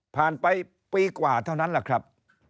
ไปปีกว่าเท่านั้นแหละครับ